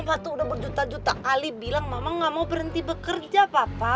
pa tuh udah berjuta juta kali bilang mama gak mau berhenti bekerja papa